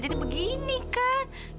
jadi begini kan